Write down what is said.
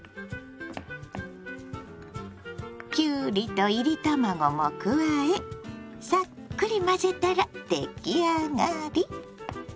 きゅうりといり卵も加えさっくり混ぜたら出来上がり。